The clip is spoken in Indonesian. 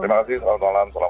terima kasih selamat malam